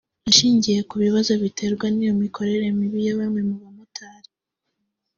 Ashingiye ku bibazo biterwa n’iyo mikorere mibi ya bamwe mu bamotari